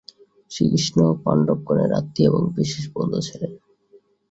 শ্রীকৃষ্ণ পাণ্ডবগণের আত্মীয় এবং বিশেষ বন্ধু ছিলেন।